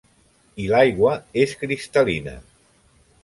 I l'aigua és cristal·lina.